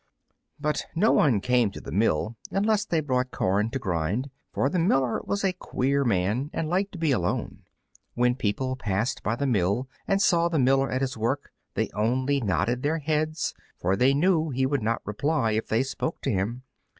But no one came to the mill unless they brought corn to grind, for the miller was a queer man, and liked to be alone. When people passed by the mill and saw the miller at his work, they only nodded their heads, for they knew he would not reply if they spoke to him.